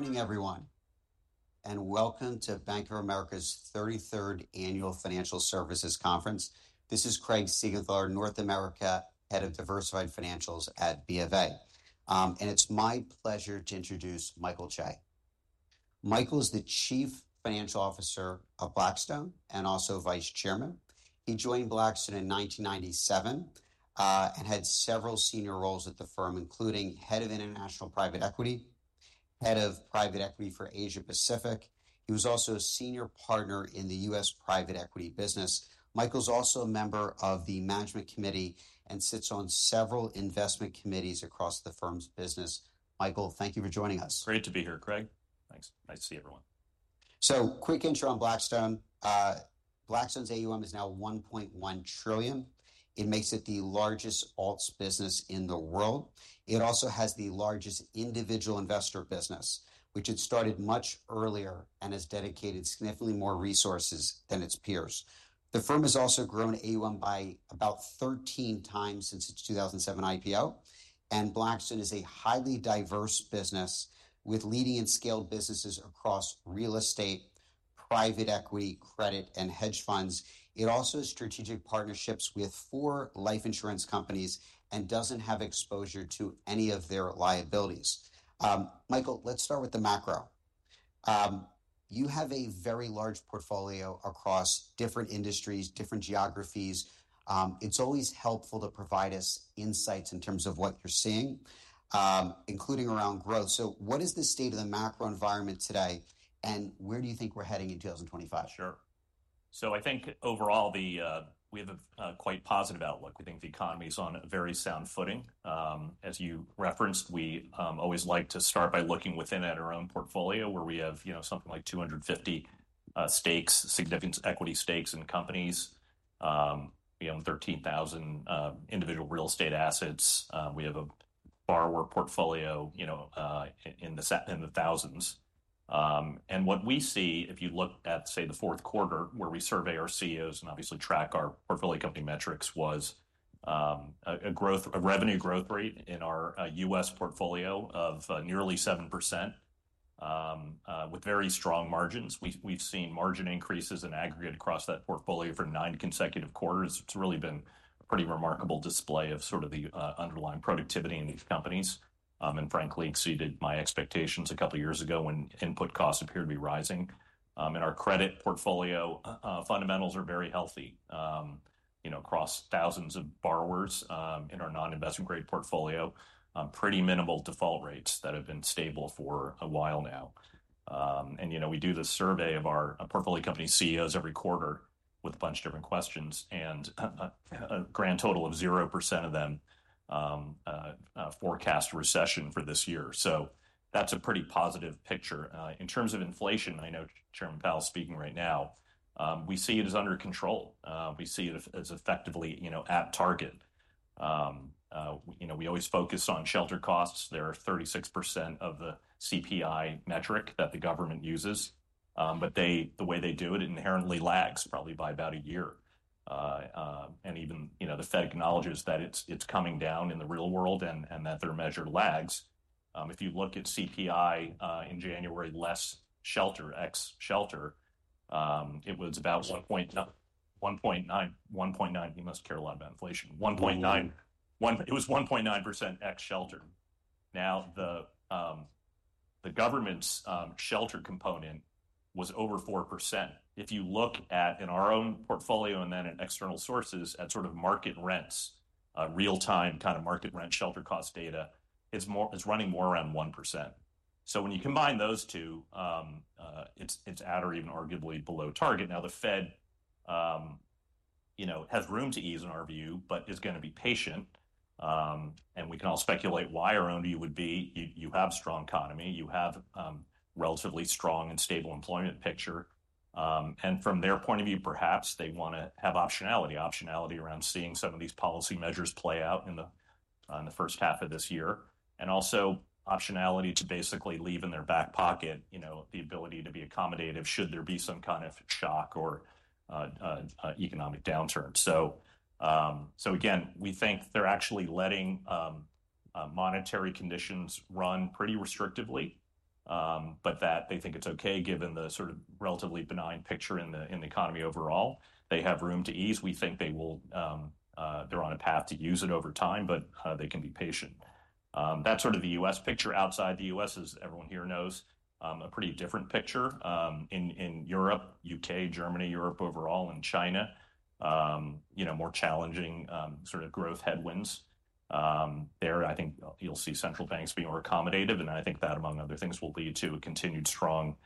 Good morning, everyone, and welcome to Bank of America's 33rd Annual Financial Services Conference. This is Craig Siegenthaler, North America Head of Diversified Financials at B of A. And it's my pleasure to introduce Michael Chae. Michael is the Chief Financial Officer of Blackstone and also Vice Chairman. He joined Blackstone in 1997 and had several senior roles at the firm, including Head of International Private Equity, Head of Private Equity for Asia Pacific. He was also a senior partner in the U.S. private equity business. Michael's also a member of the Management Committee and sits on several investment committees across the firm's business. Michael, thank you for joining us. Great to be here, Craig. Thanks. Nice to see everyone. Quick intro on Blackstone. Blackstone's AUM is now $1.1 trillion. It makes it the largest alts business in the world. It also has the largest individual investor business, which it started much earlier and has dedicated significantly more resources than its peers. The firm has also grown AUM by about 13x since its 2007 IPO. Blackstone is a highly diverse business with leading and scaled businesses across real estate, private equity, credit, and hedge funds. It also has strategic partnerships with four life insurance companies and doesn't have exposure to any of their liabilities. Michael, let's start with the macro. You have a very large portfolio across different industries, different geographies. It's always helpful to provide us insights in terms of what you're seeing, including around growth. What is the state of the macro environment today, and where do you think we're heading in 2025? Sure. So I think overall, we have a quite positive outlook. We think the economy is on a very sound footing. As you referenced, we always like to start by looking within our own portfolio, where we have something like 250 stakes, significant equity stakes in companies. We own 13,000 individual real estate assets. We have a borrower portfolio in the thousands. And what we see, if you look at, say, the fourth quarter, where we survey our CEOs and obviously track our portfolio company metrics, was a revenue growth rate in our U.S. portfolio of nearly 7%, with very strong margins. We've seen margin increases in aggregate across that portfolio for nine consecutive quarters. It's really been a pretty remarkable display of sort of the underlying productivity in these companies and frankly exceeded my expectations a couple of years ago when input costs appeared to be rising. In our credit portfolio, fundamentals are very healthy across thousands of borrowers in our non-investment grade portfolio, pretty minimal default rates that have been stable for a while now, and we do the survey of our portfolio company CEOs every quarter with a bunch of different questions, and a grand total of 0% of them forecast recession for this year, so that's a pretty positive picture. In terms of inflation, I know Chairman Powell speaking right now, we see it as under control. We see it as effectively at target. We always focus on shelter costs. They're 36% of the CPI metric that the government uses. But the way they do it, it inherently lags probably by about a year, and even the Fed acknowledges that it's coming down in the real world and that their measure lags. If you look at CPI in January, less shelter, ex-shelter, it was about 1.9%. 1.9%, you must care a lot about inflation. It was 1.9% ex-shelter. Now, the government's shelter component was over 4%. If you look at in our own portfolio and then at external sources and sort of market rents, real-time kind of market rent shelter cost data, it's running more around 1%. So when you combine those two, it's at or even arguably below target. Now, the Fed has room to ease in our view, but is going to be patient. And we can all speculate why our own view would be. You have strong economy. You have relatively strong and stable employment picture. And from their point of view, perhaps they want to have optionality, optionality around seeing some of these policy measures play out in the first half of this year. And also optionality to basically leave in their back pocket the ability to be accommodative should there be some kind of shock or economic downturn. So again, we think they're actually letting monetary conditions run pretty restrictively, but that they think it's okay given the sort of relatively benign picture in the economy overall. They have room to ease. We think they're on a path to use it over time, but they can be patient. That's sort of the U.S. picture. Outside the U.S., as everyone here knows, a pretty different picture. In Europe, U.K., Germany, Europe overall, and China, more challenging sort of growth headwinds. There, I think you'll see central banks being more accommodative. And I think that, among other things, will lead to a continued strong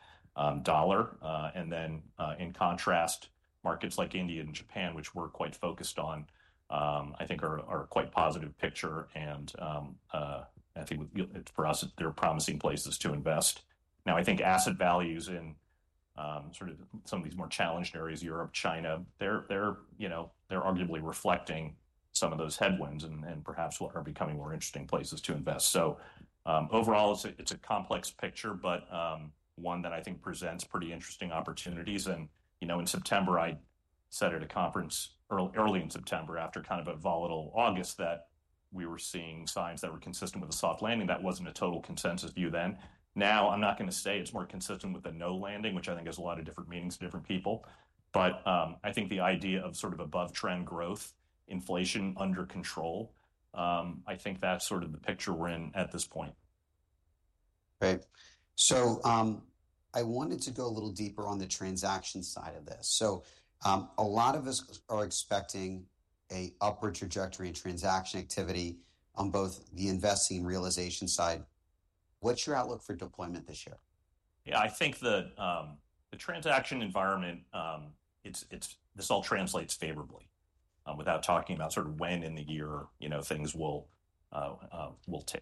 dollar. And then in contrast, markets like India and Japan, which we're quite focused on, I think are quite positive picture. And I think for us, they're promising places to invest. Now, I think asset values in sort of some of these more challenged areas, Europe, China, they're arguably reflecting some of those headwinds and perhaps what are becoming more interesting places to invest. So overall, it's a complex picture, but one that I think presents pretty interesting opportunities. And in September, I said at a conference early in September after kind of a volatile August that we were seeing signs that were consistent with a soft landing. That wasn't a total consensus view then. Now, I'm not going to say it's more consistent with a no landing, which I think has a lot of different meanings to different people. But I think the idea of sort of above-trend growth, inflation under control, I think that's sort of the picture we're in at this point. Great. So I wanted to go a little deeper on the transaction side of this. So a lot of us are expecting an upward trajectory in transaction activity on both the investing and realization side. What's your outlook for deployment this year? Yeah, I think the transaction environment, this all translates favorably without talking about sort of when in the year things will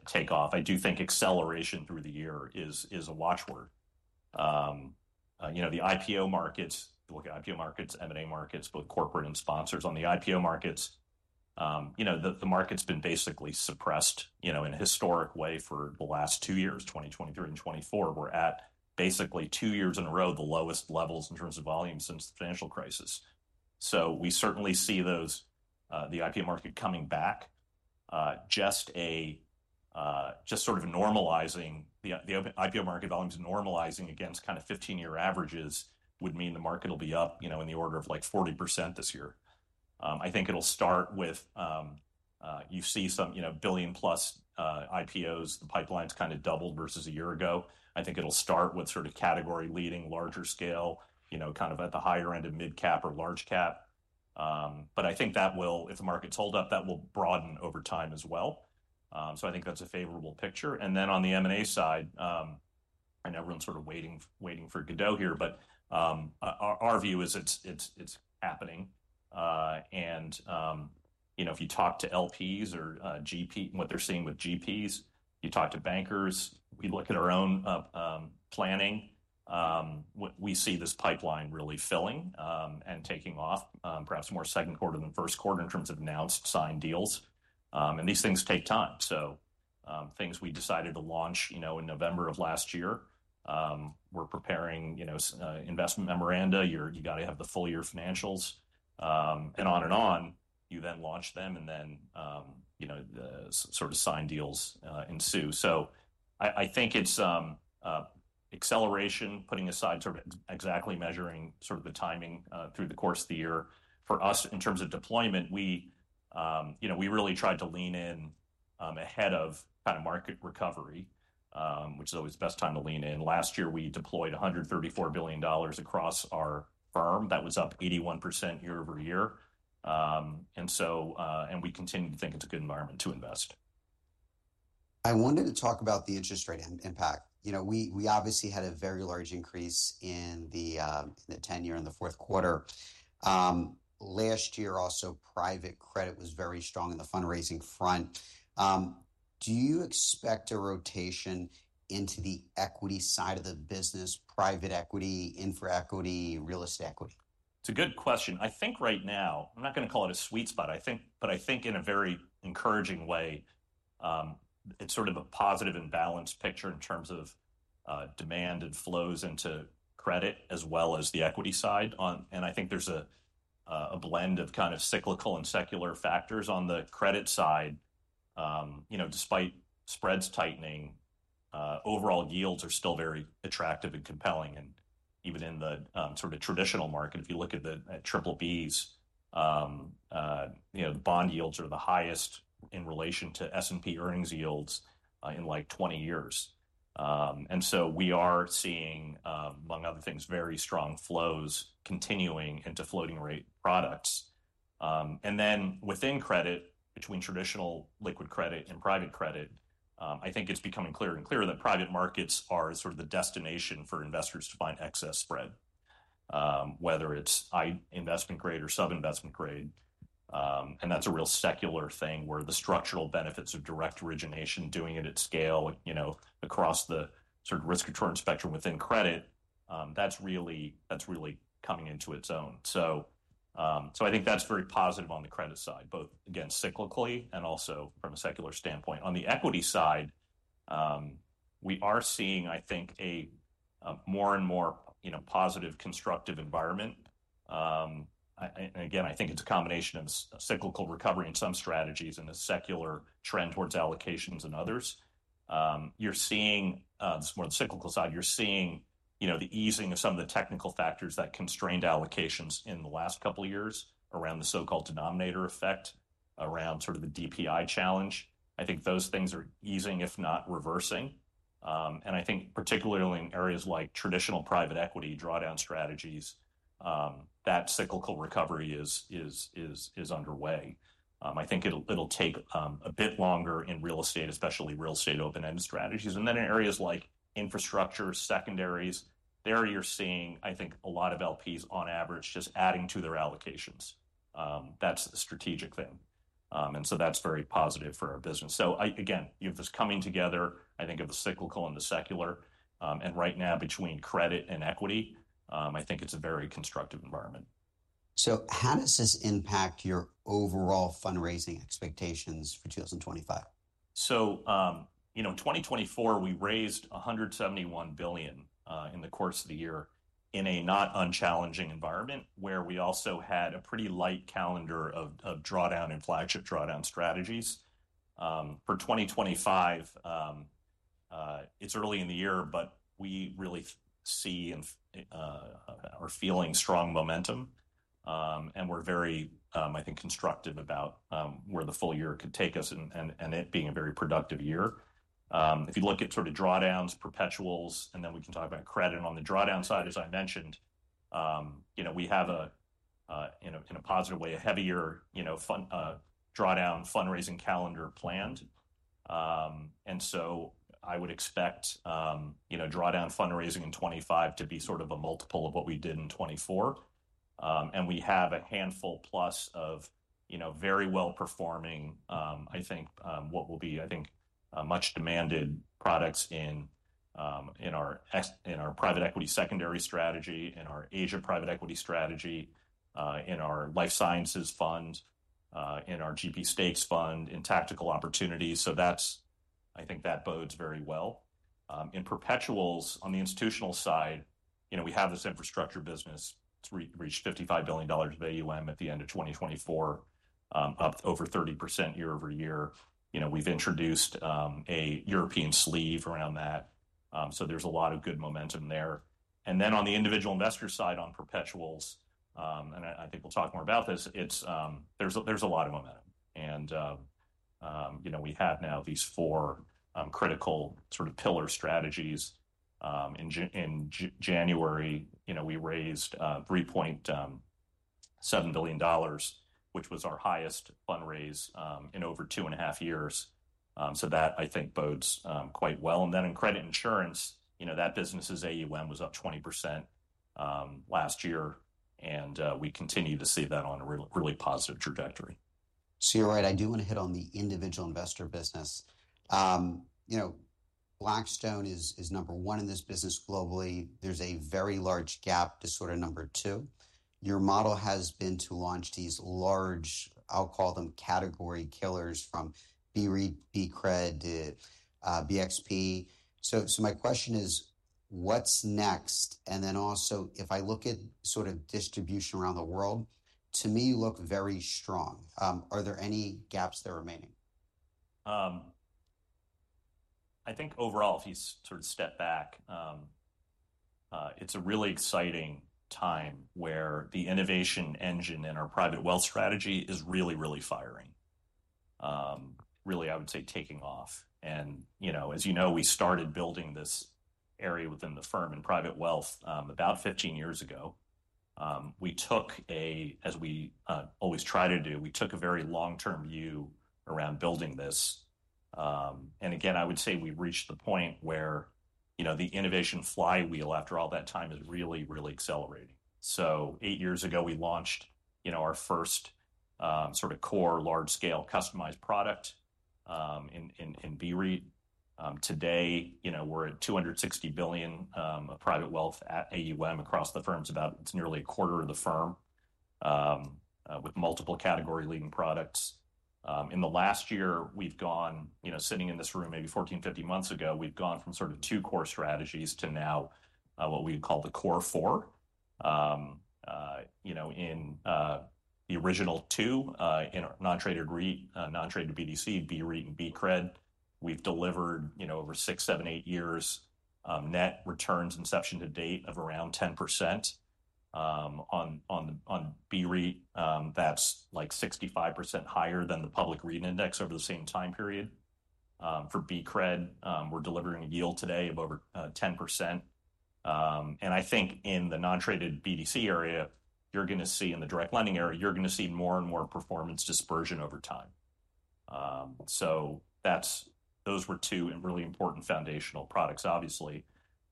take off. I do think acceleration through the year is a watchword. The IPO markets, if you look at IPO markets, M&A markets, both corporate and sponsors on the IPO markets, the market's been basically suppressed in a historic way for the last two years, 2023 and 2024. We're at basically two years in a row, the lowest levels in terms of volume since the financial crisis. So we certainly see the IPO market coming back. Just sort of normalizing the IPO market volumes, normalizing against kind of 15-year averages would mean the market will be up in the order of like 40% this year. I think it'll start with you see some billion-plus IPOs. The pipeline's kind of doubled versus a year ago. I think it'll start with sort of category-leading, larger scale, kind of at the higher end of mid-cap or large-cap. But I think that will, if the market's hold up, that will broaden over time as well. So I think that's a favorable picture. And then on the M&A side, and everyone's sort of waiting for Godot here, but our view is it's happening. And if you talk to LPs or what they're seeing with GPs, you talk to bankers, we look at our own planning. We see this pipeline really filling and taking off, perhaps more second quarter than first quarter in terms of announced signed deals. And these things take time. So things we decided to launch in November of last year, we're preparing investment memorandum. You've got to have the full year financials and on and on. You then launch them, and then sort of signed deals ensue. So I think it's acceleration, putting aside sort of exactly measuring sort of the timing through the course of the year. For us, in terms of deployment, we really tried to lean in ahead of kind of market recovery, which is always the best time to lean in. Last year, we deployed $134 billion across our firm. That was up 81% year over year, and we continue to think it's a good environment to invest. I wanted to talk about the interest rate impact. We obviously had a very large increase in the 10-year in the fourth quarter. Last year, also private credit was very strong in the fundraising front. Do you expect a rotation into the equity side of the business, private equity, infra equity, real estate equity? It's a good question. I think right now, I'm not going to call it a sweet spot, but I think in a very encouraging way, it's sort of a positive and balanced picture in terms of demand and flows into credit as well as the equity side. And I think there's a blend of kind of cyclical and secular factors on the credit side. Despite spreads tightening, overall yields are still very attractive and compelling. And even in the sort of traditional market, if you look at the Triple Bs, the bond yields are the highest in relation to S&P earnings yields in like 20 years. And so we are seeing, among other things, very strong flows continuing into floating-rate products. And then within credit, between traditional liquid credit and private credit, I think it's becoming clearer and clearer that private markets are sort of the destination for investors to find excess spread, whether it's investment grade or sub-investment grade. And that's a real secular thing where the structural benefits of direct origination, doing it at scale across the sort of risk-return spectrum within credit, that's really coming into its own. So I think that's very positive on the credit side, both cyclically and also from a secular standpoint. On the equity side, we are seeing, I think, a more and more positive, constructive environment. And again, I think it's a combination of cyclical recovery in some strategies and a secular trend towards allocations and others. You're seeing this more on the cyclical side. You're seeing the easing of some of the technical factors that constrained allocations in the last couple of years around the so-called denominator effect, around sort of the DPI challenge. I think those things are easing, if not reversing, and I think particularly in areas like traditional private equity drawdown strategies, that cyclical recovery is underway. I think it'll take a bit longer in real estate, especially real estate open-end strategies, and then in areas like infrastructure, secondaries, there you're seeing, I think, a lot of LPs on average just adding to their allocations. That's a strategic thing, and so that's very positive for our business, so again, you have this coming together, I think, of the cyclical and the secular, and right now, between credit and equity, I think it's a very constructive environment. So how does this impact your overall fundraising expectations for 2025? In 2024, we raised $171 billion in the course of the year in a not unchallenging environment where we also had a pretty light calendar of drawdown and flagship drawdown strategies. For 2025, it's early in the year, but we really see and are feeling strong momentum. We're very, I think, constructive about where the full year could take us and it being a very productive year. If you look at sort of drawdowns, perpetuals, and then we can talk about credit on the drawdown side, as I mentioned, we have in a positive way a heavier drawdown fundraising calendar planned. So I would expect drawdown fundraising in 2025 to be sort of a multiple of what we did in 2024. And we have a handful plus of very well-performing, I think, what will be, I think, much-demanded products in our private equity secondary strategy, in our Asia private equity strategy, in our life sciences fund, in our GP stakes fund, in tactical opportunities. So I think that bodes very well. In perpetuals, on the institutional side, we have this infrastructure business. It's reached $55 billion of AUM at the end of 2024, up over 30% year-over-year. We've introduced a European sleeve around that. So there's a lot of good momentum there. And then on the individual investor side on perpetuals, and I think we'll talk more about this, there's a lot of momentum. And we have now these four critical sort of pillar strategies. In January, we raised $3.7 billion, which was our highest fundraise in over two and a half years. So that, I think, bodes quite well. And then in credit insurance, that business's AUM was up 20% last year. And we continue to see that on a really positive trajectory. You're right, I do want to hit on the individual investor business. Blackstone is number one in this business globally. There's a very large gap to sort of number two. Your model has been to launch these large, I'll call them category killers from BREIT, BCRED, BXPE. So my question is, what's next? And then also, if I look at sort of distribution around the world, to me, you look very strong. Are there any gaps that are remaining? I think overall, if you sort of step back, it's a really exciting time where the innovation engine in our private wealth strategy is really, really firing, really, I would say, taking off, and as you know, we started building this area within the firm and private wealth about 15 years ago. As we always try to do, we took a very long-term view around building this, and again, I would say we reached the point where the innovation flywheel after all that time is really, really accelerating, so eight years ago, we launched our first sort of core large-scale customized product in BREIT. Today, we're at $260 billion of private wealth at AUM across the firms. It's nearly a quarter of the firm with multiple category-leading products. In the last year, we've gone, sitting in this room maybe 14, 15 months ago, we've gone from sort of two core strategies to now what we call the core four. In the original two, in non-traded REIT, non-traded BDC, BREIT, and BCRED, we've delivered over six, seven, eight years net returns inception to date of around 10%. On BREIT, that's like 65% higher than the public REIT index over the same time period. For BCRED, we're delivering a yield today of over 10%. And I think in the non-traded BDC area, you're going to see in the direct lending area, you're going to see more and more performance dispersion over time. So those were two really important foundational products. Obviously,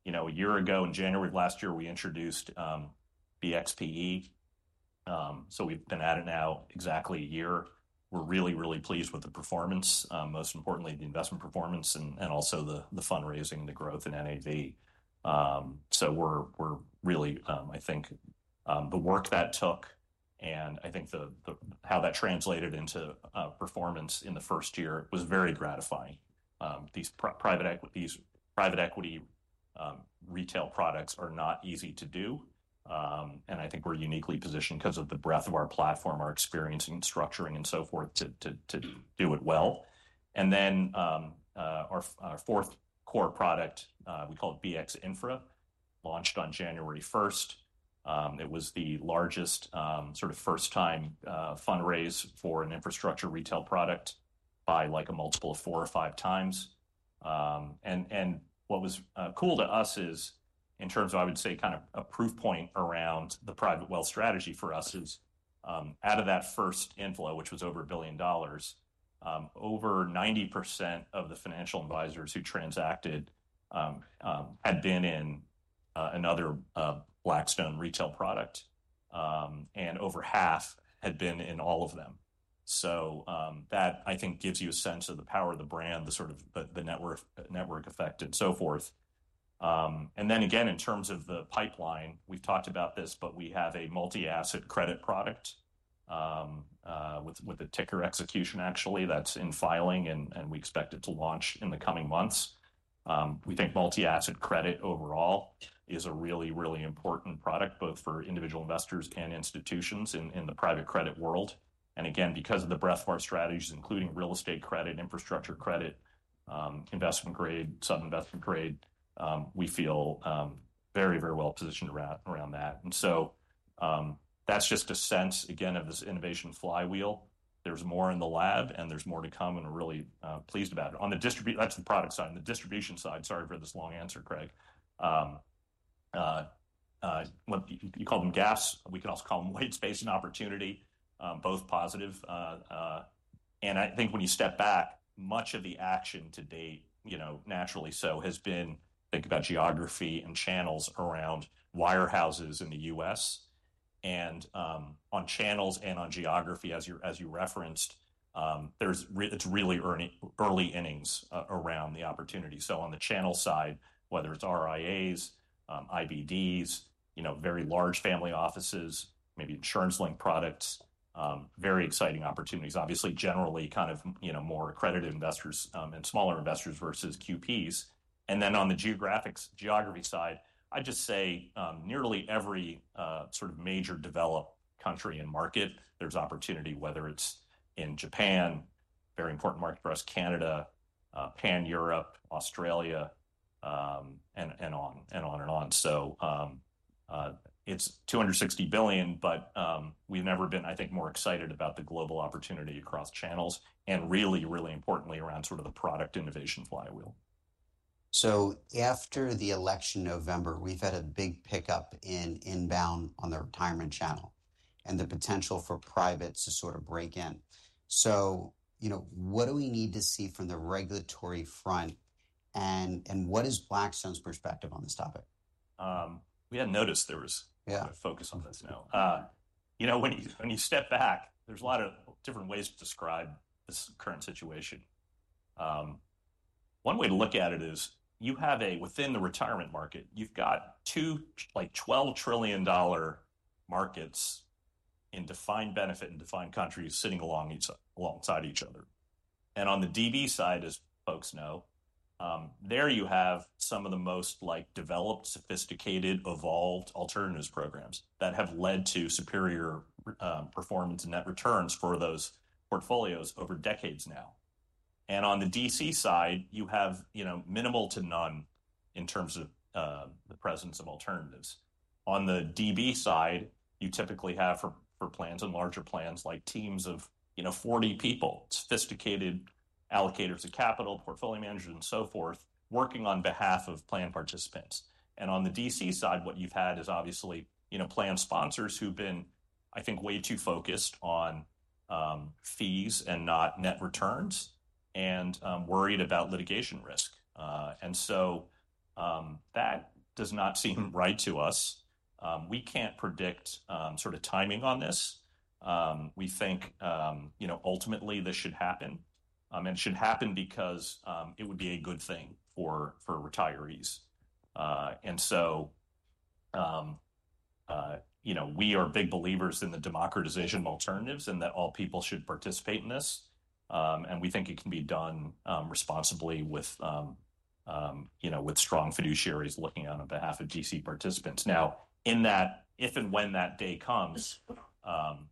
a year ago in January of last year, we introduced BXPE. So we've been at it now exactly a year. We're really, really pleased with the performance, most importantly, the investment performance and also the fundraising and the growth in NAV, so we're really, I think, the work that took and I think how that translated into performance in the first year was very gratifying. These private equity retail products are not easy to do, and I think we're uniquely positioned because of the breadth of our platform, our experience in structuring and so forth to do it well, and then our fourth core product, we call it BX Infra, launched on January 1st. It was the largest sort of first-time fundraise for an infrastructure retail product by like a multiple of 4x or 5x. What was cool to us is, in terms of, I would say, kind of a proof point around the private wealth strategy for us, out of that first inflow, which was over $1 billion, over 90% of the financial advisors who transacted had been in another Blackstone retail product. Over half had been in all of them. That, I think, gives you a sense of the power of the brand, the sort of the network effect and so forth. Then again, in terms of the pipeline, we've talked about this, but we have a multi-asset credit product with a ticker execution, actually, that's in filing, and we expect it to launch in the coming months. We think multi-asset credit overall is a really, really important product both for individual investors and institutions in the private credit world. And again, because of the breadth of our strategies, including real estate credit, infrastructure credit, investment grade, sub-investment grade, we feel very, very well positioned around that. And so that's just a sense, again, of this innovation flywheel. There's more in the lab, and there's more to come, and we're really pleased about it. That's the product side. The distribution side, sorry for this long answer, Craig. You call them gaps. We can also call them white space and opportunity, both positive. And I think when you step back, much of the action to date, naturally so, has been think about geography and channels around wirehouses in the U.S. And on channels and on geography, as you referenced, it's really early innings around the opportunity. So on the channel side, whether it's RIAs, IBDs, very large family offices, maybe insurance-linked products, very exciting opportunities, obviously, generally kind of more accredited investors and smaller investors versus QPs. And then on the geography side, I'd just say nearly every sort of major developed country and market, there's opportunity, whether it's in Japan, very important market for us, Canada, Pan Europe, Australia, and on and on and on. So it's $260 billion, but we've never been, I think, more excited about the global opportunity across channels and really, really importantly around sort of the product innovation flywheel. So after the election in November, we've had a big pickup in inbound on the retirement channel and the potential for privates to sort of break in. So what do we need to see from the regulatory front? And what is Blackstone's perspective on this topic? We hadn't noticed there was a focus on this now. When you step back, there's a lot of different ways to describe this current situation. One way to look at it is you have within the retirement market, you've got two $12 trillion markets in defined benefit and defined contribution sitting alongside each other, and on the DB side, as folks know, there you have some of the most developed, sophisticated, evolved alternatives programs that have led to superior performance and net returns for those portfolios over decades now, and on the DC side, you have minimal to none in terms of the presence of alternatives. On the DB side, you typically have for plans and larger plans like teams of 40 people, sophisticated allocators of capital, portfolio managers, and so forth, working on behalf of plan participants. On the DC side, what you've had is obviously plan sponsors who've been, I think, way too focused on fees and not net returns and worried about litigation risk. And so that does not seem right to us. We can't predict sort of timing on this. We think ultimately this should happen. And it should happen because it would be a good thing for retirees. And so we are big believers in the democratization of alternatives and that all people should participate in this. And we think it can be done responsibly with strong fiduciaries looking on behalf of DC participants. Now, if and when that day comes,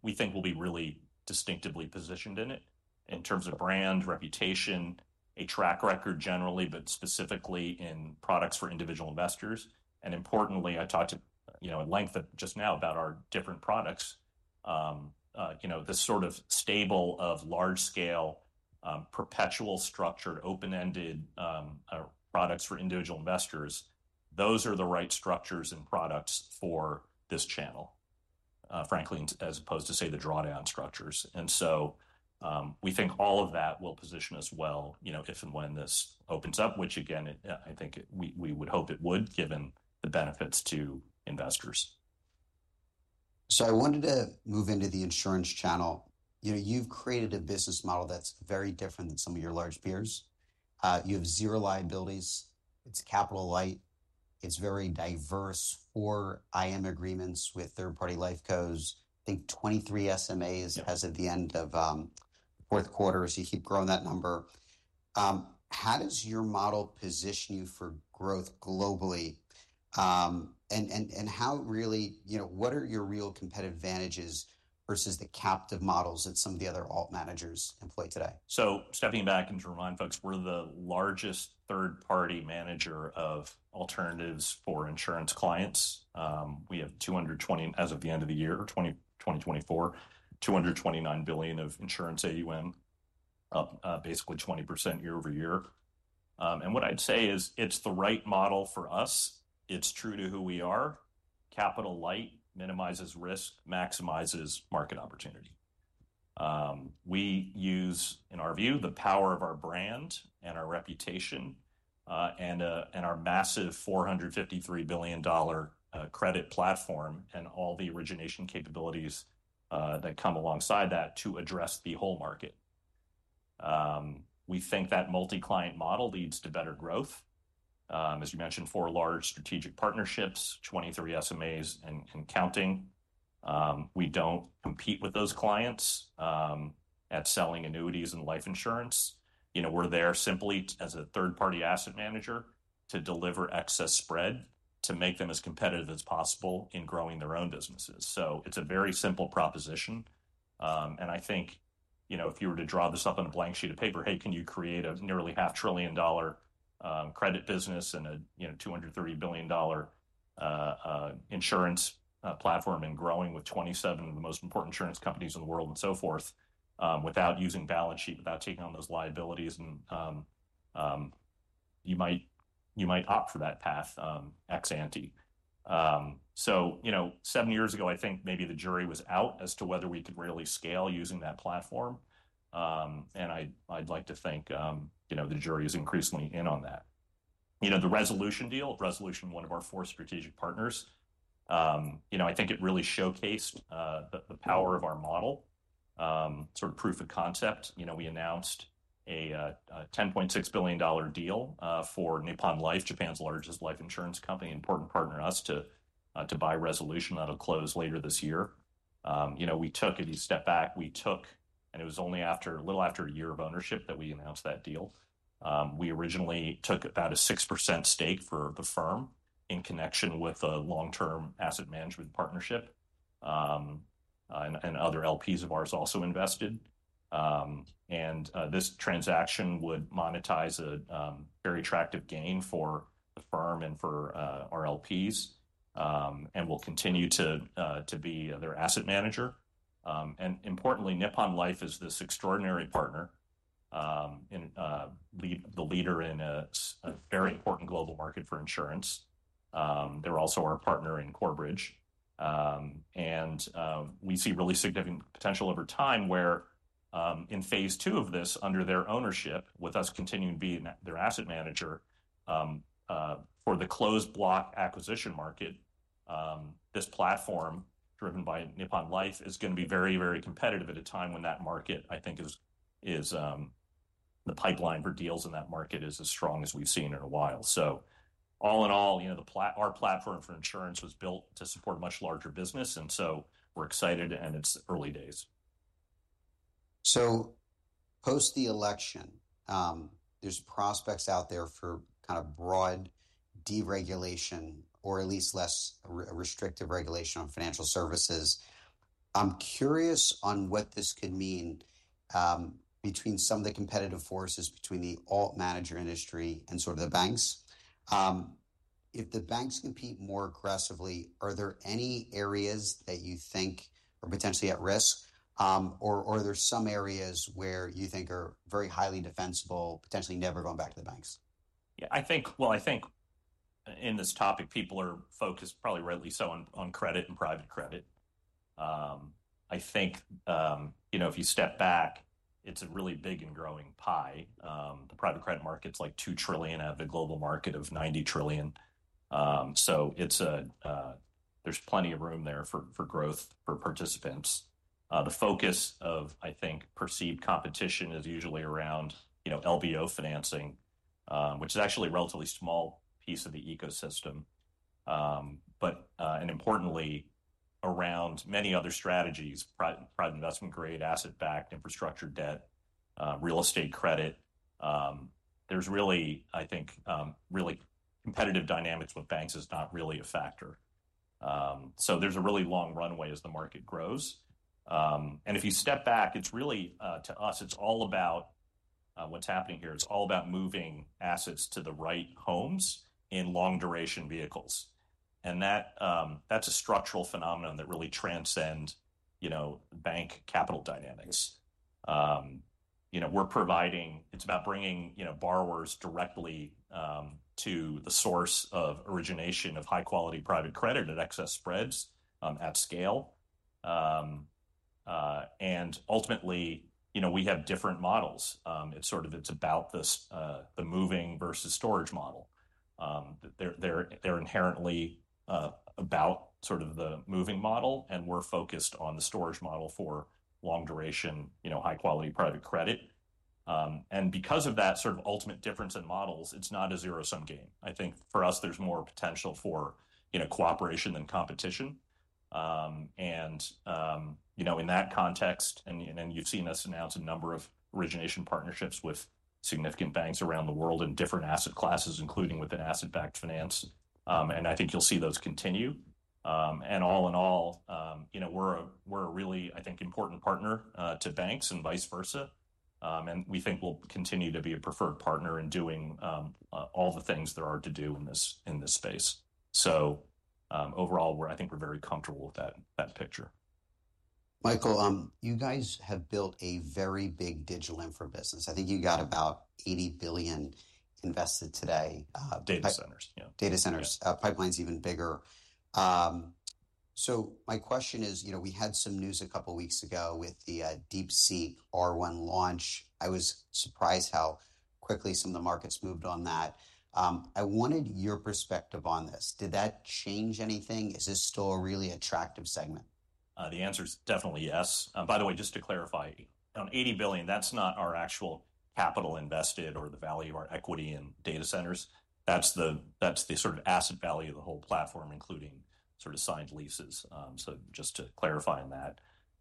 we think we'll be really distinctively positioned in it in terms of brand, reputation, a track record generally, but specifically in products for individual investors. And importantly, I talked at length just now about our different products. This sort of stable of large-scale, perpetual structured, open-ended products for individual investors, those are the right structures and products for this channel, frankly, as opposed to, say, the drawdown structures. And so we think all of that will position us well if and when this opens up, which, again, I think we would hope it would given the benefits to investors. So I wanted to move into the insurance channel. You've created a business model that's very different than some of your large peers. You have zero liabilities. It's capital light. It's very diverse for IM agreements with third-party life cos. I think 23 SMAs as of the end of the fourth quarter, so you keep growing that number. How does your model position you for growth globally? And how really, what are your real competitive advantages versus the captive models that some of the other alt managers employ today? So stepping back and to remind folks, we're the largest third-party manager of alternatives for insurance clients. We have $220 billion, as of the end of the year 2024, $229 billion of insurance AUM, up basically 20% year-over-year. And what I'd say is it's the right model for us. It's true to who we are. Capital light minimizes risk, maximizes market opportunity. We use, in our view, the power of our brand and our reputation and our massive $453 billion credit platform and all the origination capabilities that come alongside that to address the whole market. We think that multi-client model leads to better growth. As you mentioned, four large strategic partnerships, 23 SMAs and counting. We don't compete with those clients at selling annuities and life insurance. We're there simply as a third-party asset manager to deliver excess spread to make them as competitive as possible in growing their own businesses. So it's a very simple proposition. And I think if you were to draw this up on a blank sheet of paper, hey, can you create a nearly $500 billion credit business and a $230 billion insurance platform and growing with 27 of the most important insurance companies in the world and so forth without using balance sheet, without taking on those liabilities? You might opt for that path ex ante. So seven years ago, I think maybe the jury was out as to whether we could really scale using that platform. And I'd like to think the jury is increasingly in on that. The Resolution deal, Resolution one of our four strategic partners, I think it really showcased the power of our model, sort of proof of concept. We announced a $10.6 billion deal for Nippon Life, Japan's largest life insurance company, important partner to us to buy Resolution that'll close later this year. We took a step back, and it was only a little after a year of ownership that we announced that deal. We originally took about a 6% stake for the firm in connection with a long-term asset management partnership, and other LPs of ours also invested, and this transaction would monetize a very attractive gain for the firm and for our LPs and will continue to be their asset manager. Importantly, Nippon Life is this extraordinary partner, the leader in a very important global market for insurance. They're also our partner in Corebridge. And we see really significant potential over time where in phase two of this, under their ownership, with us continuing to be their asset manager for the closed block acquisition market, this platform driven by Nippon Life is going to be very, very competitive at a time when that market, I think, the pipeline for deals in that market is as strong as we've seen in a while. So all in all, our platform for insurance was built to support a much larger business. And so we're excited and it's early days. So, post the election, there's prospects out there for kind of broad deregulation or at least less restrictive regulation on financial services. I'm curious on what this could mean between some of the competitive forces between the alt manager industry and sort of the banks. If the banks compete more aggressively, are there any areas that you think are potentially at risk? Or are there some areas where you think are very highly defensible, potentially never going back to the banks? Yeah. Well, I think in this topic, people are focused probably rightly so on credit and private credit. I think if you step back, it's a really big and growing pie. The private credit market's like $2 trillion out of the global market of $90 trillion. So there's plenty of room there for growth for participants. The focus of, I think, perceived competition is usually around LBO financing, which is actually a relatively small piece of the ecosystem. But importantly, around many other strategies, private investment grade, asset-backed infrastructure debt, real estate credit, there's really, I think, really competitive dynamics with banks is not really a factor. So there's a really long runway as the market grows. And if you step back, it's really to us, it's all about what's happening here. It's all about moving assets to the right homes in long-duration vehicles. And that's a structural phenomenon that really transcends bank capital dynamics. We're providing. It's about bringing borrowers directly to the source of origination of high-quality private credit at excess spreads at scale. And ultimately, we have different models. It's sort of about the moving versus storage model. They're inherently about sort of the moving model, and we're focused on the storage model for long-duration, high-quality private credit. And because of that sort of ultimate difference in models, it's not a zero-sum game. I think for us, there's more potential for cooperation than competition. And in that context, and you've seen us announce a number of origination partnerships with significant banks around the world in different asset classes, including within asset-backed finance. And I think you'll see those continue. And all in all, we're a really, I think, important partner to banks and vice versa. We think we'll continue to be a preferred partner in doing all the things there are to do in this space. Overall, I think we're very comfortable with that picture. Michael, you guys have built a very big digital infra business. I think you got about $80 billion invested today. Data centers. Yeah. Data centers. Pipeline's even bigger so my question is, we had some news a couple of weeks ago with the DeepSeek-R1 launch. I was surprised how quickly some of the markets moved on that. I wanted your perspective on this. Did that change anything? Is this still a really attractive segment? The answer is definitely yes. By the way, just to clarify, on $80 billion, that's not our actual capital invested or the value of our equity in data centers. That's the sort of asset value of the whole platform, including sort of signed leases. So just to clarify on that.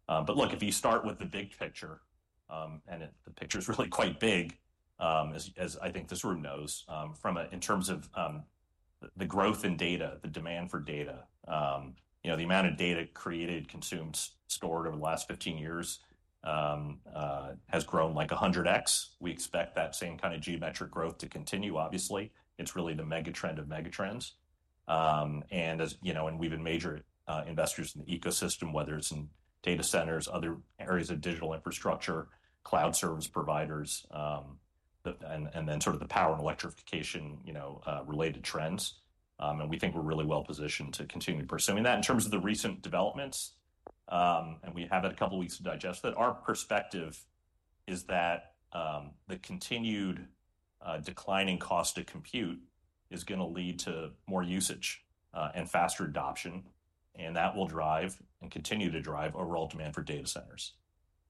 But look, if you start with the big picture, and the picture's really quite big, as I think this room knows, in terms of the growth in data, the demand for data, the amount of data created, consumed, stored over the last 15 years has grown like 100x. We expect that same kind of geometric growth to continue, obviously. It's really the megatrend of megatrends. And we've been major investors in the ecosystem, whether it's in data centers, other areas of digital infrastructure, cloud service providers, and then sort of the power and electrification related trends. We think we're really well positioned to continue pursuing that. In terms of the recent developments, and we have had a couple of weeks to digest it, our perspective is that the continued declining cost of compute is going to lead to more usage and faster adoption. That will drive and continue to drive overall demand for data centers.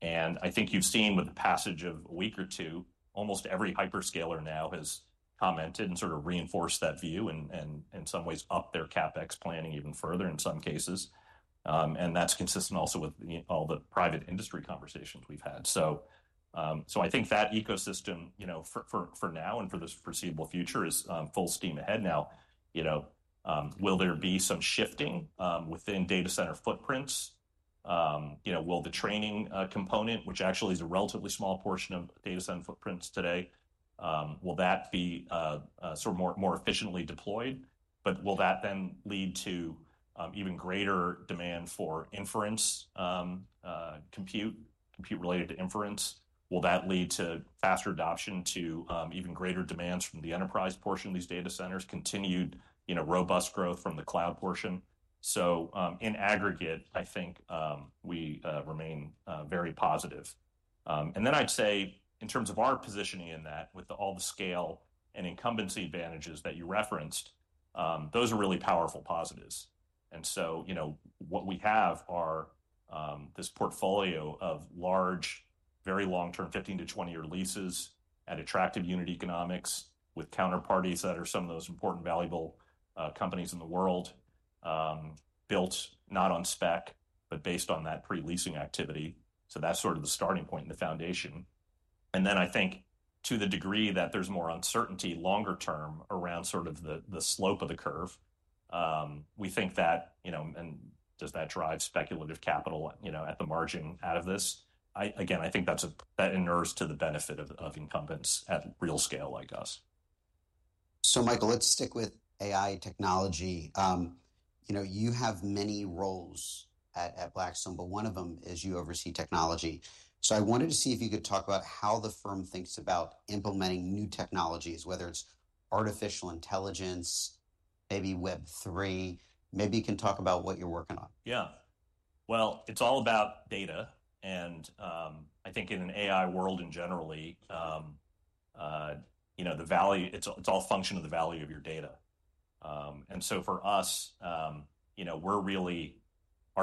I think you've seen with the passage of a week or two, almost every hyperscaler now has commented and sort of reinforced that view and in some ways upped their CapEx planning even further in some cases. That's consistent also with all the private industry conversations we've had. I think that ecosystem for now and for this foreseeable future is full steam ahead. Now, will there be some shifting within data center footprints? Will the training component, which actually is a relatively small portion of data center footprints today, will that be sort of more efficiently deployed? But will that then lead to even greater demand for inference, compute, compute related to inference? Will that lead to faster adoption to even greater demands from the enterprise portion of these data centers, continued robust growth from the cloud portion? So in aggregate, I think we remain very positive. And then I'd say in terms of our positioning in that, with all the scale and incumbency advantages that you referenced, those are really powerful positives. And so what we have are this portfolio of large, very long-term, 15 to 20-year leases at attractive unit economics with counterparties that are some of those important, valuable companies in the world, built not on spec, but based on that pre-leasing activity. So that's sort of the starting point and the foundation. And then I think to the degree that there's more uncertainty longer term around sort of the slope of the curve, we think that, and does that drive speculative capital at the margin out of this? Again, I think that's a, that inures to the benefit of incumbents at real scale, I guess. So, Michael, let's stick with AI technology. You have many roles at Blackstone, but one of them is you oversee technology. So, I wanted to see if you could talk about how the firm thinks about implementing new technologies, whether it's artificial intelligence, maybe Web3, maybe you can talk about what you're working on. Yeah. Well, it's all about data. And I think in an AI world in general, it's all a function of the value of your data. And so for us, our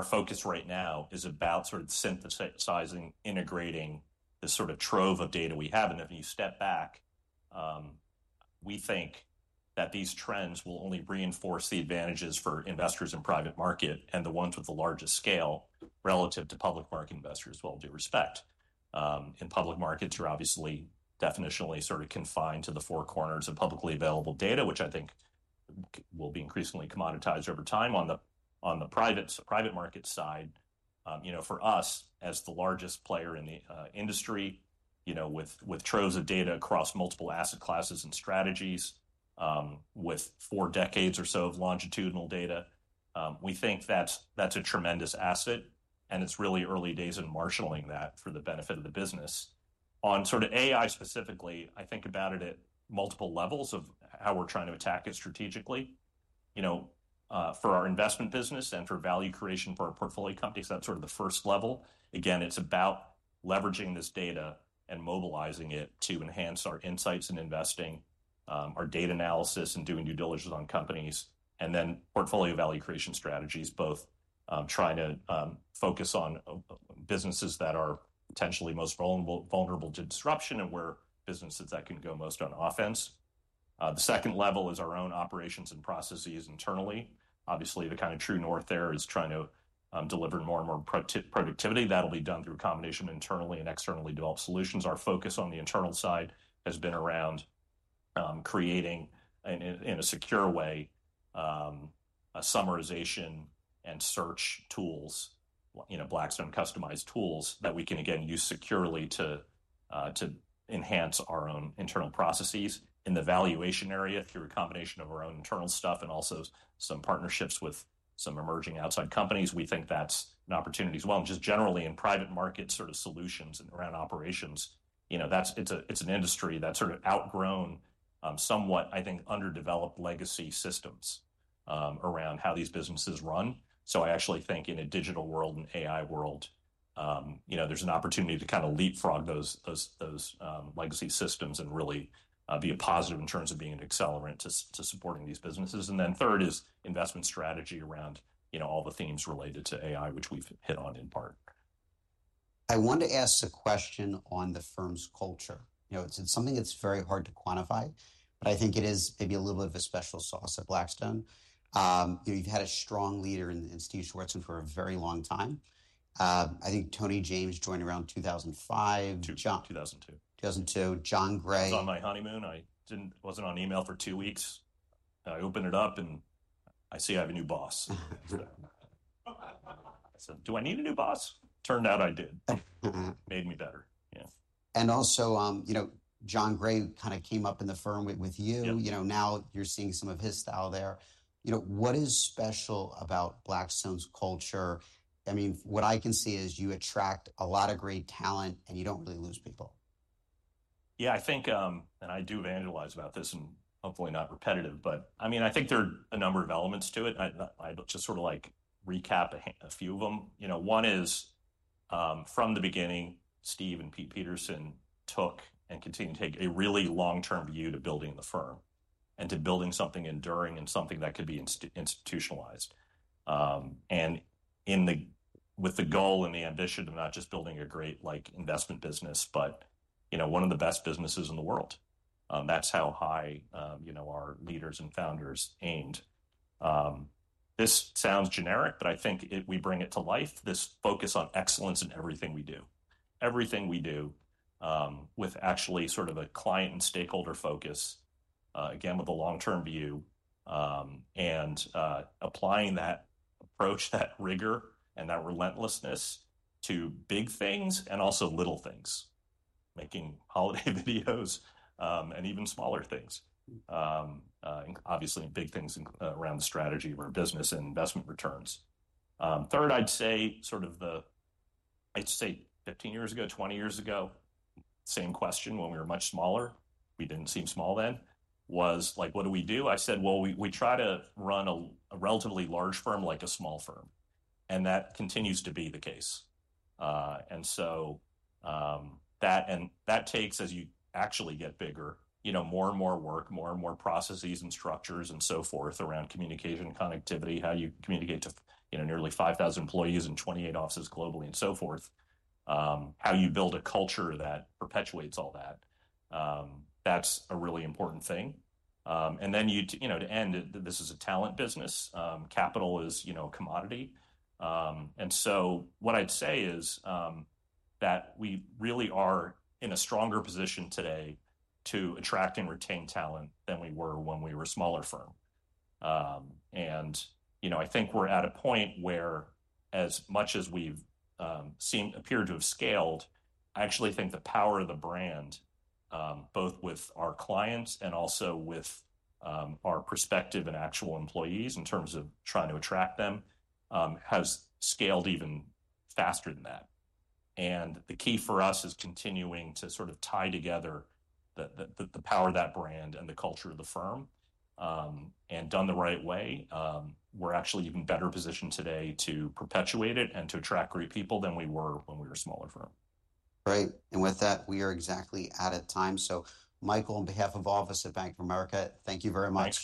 focus right now is about sort of synthesizing, integrating the sort of trove of data we have. And if you step back, we think that these trends will only reinforce the advantages for investors in private market and the ones with the largest scale relative to public market investors with all due respect. In public markets, you're obviously definitionally sort of confined to the four corners of publicly available data, which I think will be increasingly commoditized over time on the private market side. For us, as the largest player in the industry with troves of data across multiple asset classes and strategies with four decades or so of longitudinal data, we think that's a tremendous asset. And it's really early days in marshaling that for the benefit of the business. On sort of AI specifically, I think about it at multiple levels of how we're trying to attack it strategically for our investment business and for value creation for our portfolio companies. That's sort of the first level. Again, it's about leveraging this data and mobilizing it to enhance our insights in investing, our data analysis, and doing due diligence on companies. And then portfolio value creation strategies, both trying to focus on businesses that are potentially most vulnerable to disruption and where businesses that can go most on offense. The second level is our own operations and processes internally. Obviously, the kind of true north there is trying to deliver more and more productivity. That'll be done through a combination of internally and externally developed solutions. Our focus on the internal side has been around creating in a secure way a summarization and search tools, Blackstone customized tools that we can again use securely to enhance our own internal processes in the valuation area through a combination of our own internal stuff and also some partnerships with some emerging outside companies. We think that's an opportunity as well and just generally in private market sort of solutions and around operations, it's an industry that's sort of outgrown somewhat, I think, underdeveloped legacy systems around how these businesses run, so I actually think in a digital world and AI world, there's an opportunity to kind of leapfrog those legacy systems and really be a positive in terms of being an accelerant to supporting these businesses, and then third is investment strategy around all the themes related to AI, which we've hit on in part. I wanted to ask a question on the firm's culture. It's something that's very hard to quantify, but I think it is maybe a little bit of a special sauce at Blackstone. You've had a strong leader in the institution for a very long time. I think Tony James joined around 2005. 2002. 2002. Jon Gray. I was on my honeymoon. I wasn't on email for two weeks. I opened it up and I see I have a new boss. I said, "Do I need a new boss?" Turned out I did. Made me better. Yeah. Also, Jon Gray kind of came up in the firm with you. Now you're seeing some of his style there. What is special about Blackstone's culture? I mean, what I can see is you attract a lot of great talent and you don't really lose people. Yeah, I think, and I do evangelize about this and hopefully not repetitive, but I mean, I think there are a number of elements to it. I'd just sort of like recap a few of them. One is from the beginning, Steve and Pete Peterson took and continue to take a really long-term view to building the firm and to building something enduring and something that could be institutionalized. And with the goal and the ambition of not just building a great investment business, but one of the best businesses in the world. That's how high our leaders and founders aimed. This sounds generic, but I think we bring it to life, this focus on excellence in everything we do. Everything we do with actually sort of a client and stakeholder focus, again, with a long-term view and applying that approach, that rigor and that relentlessness to big things and also little things, making holiday videos and even smaller things. Obviously, big things around the strategy of our business and investment returns. Third, I'd say sort of the 15 years ago, 20 years ago, same question when we were much smaller. We didn't seem small then. Was like, "What do we do?" I said, "Well, we try to run a relatively large firm like a small firm." And that continues to be the case. So that takes, as you actually get bigger, more and more work, more and more processes and structures and so forth around communication, connectivity, how you communicate to nearly 5,000 employees and 28 offices globally and so forth, how you build a culture that perpetuates all that. That's a really important thing. Then to end, this is a talent business. Capital is a commodity. So what I'd say is that we really are in a stronger position today to attract and retain talent than we were when we were a smaller firm. I think we're at a point where as much as we've appeared to have scaled, I actually think the power of the brand, both with our clients and also with our prospective and actual employees in terms of trying to attract them, has scaled even faster than that. And the key for us is continuing to sort of tie together the power of that brand and the culture of the firm. And done the right way, we're actually even better positioned today to perpetuate it and to attract great people than we were when we were a smaller firm. Right. And with that, we are exactly out of time. So Michael, on behalf of all of us at Bank of America, thank you very much.